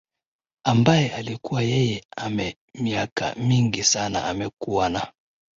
ambaye alikuwa yeye ame miaka mingi sana amekuwa na